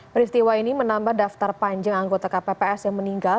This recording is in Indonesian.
peristiwa ini menambah daftar panjang anggota kpps yang meninggal